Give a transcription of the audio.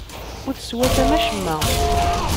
Ur teswatam acemma.